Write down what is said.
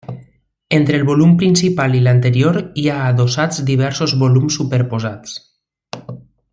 Entre el volum principal i l'anterior hi ha adossats diversos volums superposats.